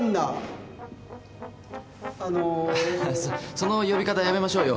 その呼び方やめましょうよ。